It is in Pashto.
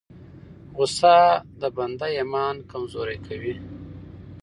غصه د بنده ایمان کمزوری کوي.